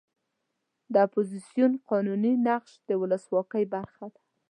د اپوزیسیون قانوني نقش د ولسواکۍ برخه ده.